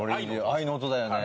愛の音だよね。